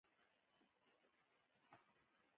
د خلکو همکاري د ښاري ښکلا په ساتنه کې مهمه ده.